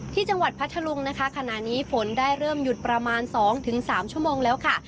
พัทธลุงนะคะขณะนี้ฝนได้เริ่มหยุดประมาณ๒๓ชั่วโมงแล้วค่ะ